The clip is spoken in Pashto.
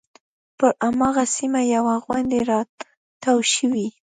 پر هماغه سیمه یوه غونډۍ راتاو شوې.